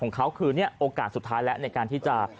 ของเขาคือเนี่ยโอกาสสุดท้ายแล้วในการที่จะ